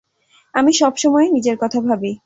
আমি সবসময়েই নিজের কথা ভাবি।